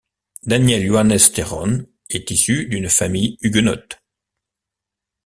Daniel Johannes Theron est issu d'une famille huguenote.